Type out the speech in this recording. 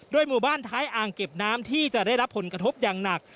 หมู่บ้านท้ายอ่างเก็บน้ำที่จะได้รับผลกระทบอย่างหนัก